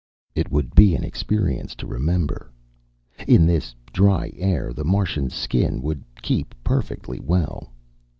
It would be an experience to remember. In this dry air, the Martian's skin would keep perfectly well.